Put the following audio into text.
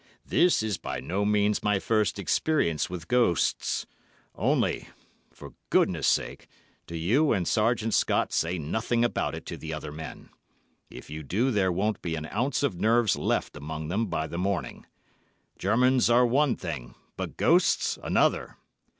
This is by no means my first experience with ghosts—only—for goodness sake do you and Sergeant Scott say nothing about it to the other men. If you do there won't be an ounce of nerves left among them by the morning. Germans are one thing, but ghosts another!